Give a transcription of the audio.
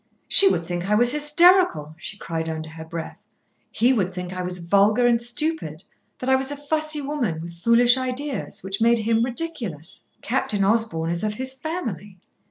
"She would think I was hysterical," she cried, under her breath. "He would think I was vulgar and stupid, that I was a fussy woman with foolish ideas, which made him ridiculous. Captain Osborn is of his family.